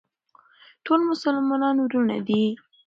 ټول مسلمانان وروڼه دي.